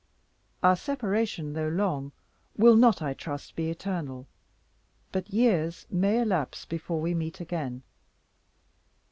Our separation, though long, will not, I trust, be eternal; but years may elapse before we meet again.